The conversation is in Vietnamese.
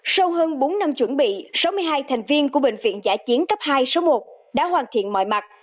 sau hơn bốn năm chuẩn bị sáu mươi hai thành viên của bệnh viện giã chiến cấp hai số một đã hoàn thiện mọi mặt